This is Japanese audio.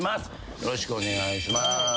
よろしくお願いします。